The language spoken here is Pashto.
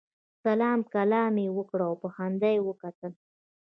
سلام کلام یې وکړ او په خندا یې وکتل.